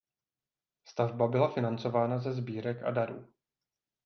Stavba byla financována ze sbírek a darů.